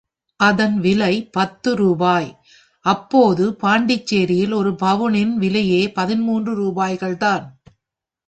அதன் விலை பத்து ரூபாய், அப்போது பாண்டிச்சேரியில் ஒரு பவுனின் விலையே பதின்மூன்று ரூபாய்கள்தான்.